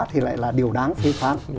thì lại là điều đáng thi phán